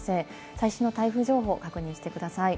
最新の台風情報を確認してください。